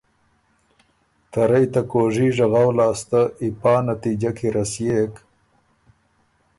ته رئ ته کوژي ژغؤ لاسته ای پا نتیجۀ کی رسيېک